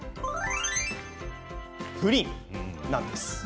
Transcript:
プリンなんです。